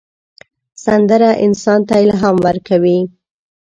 سندره انسان ته الهام ورکوي